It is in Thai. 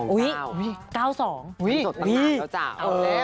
อุ๊ยอุ๊ย